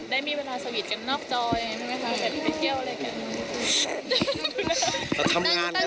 ได้มีเวลาสวิสกันนอกจออย่างเงี้ยมั้ยคะแบบไปเที่ยวอะไรกัน